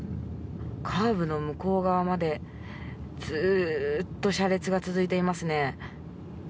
カーブの向こう側までずっと車列が続いていますね。